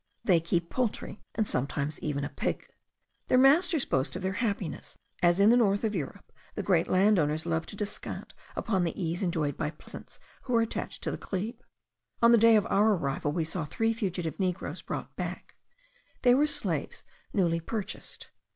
They keep poultry, and sometimes even a pig. Their masters boast of their happiness, as in the north of Europe the great landholders love to descant upon the ease enjoyed by peasants who are attached to the glebe. On the day of our arrival we saw three fugitive negroes brought back; they were slaves newly purchased.